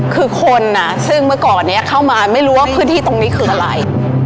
คือคนซึ่งเมื่อก่อนนี้เข้ามาไม่รู้ว่าพื้นที่ตรงนี้คืออะไร